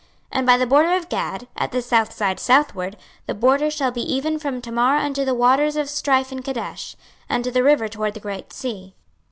26:048:028 And by the border of Gad, at the south side southward, the border shall be even from Tamar unto the waters of strife in Kadesh, and to the river toward the great sea.